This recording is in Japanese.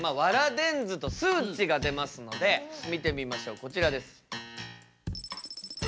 電図と数値が出ますので見てみましょうこちらです。